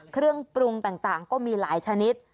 เครื่องปรุงต่างก็มีหลายชนิด